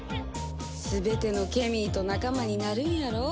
全てのケミーと仲間になるんやろ？